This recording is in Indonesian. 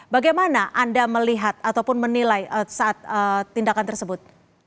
bagaimana anda melihat ataupun menilai saat tindakan tersebut